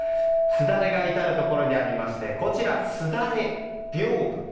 すだれが至るところにありましてこちらは、すだれ屏風。